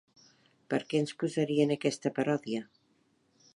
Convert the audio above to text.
Per què ens posaria en aquesta paròdia?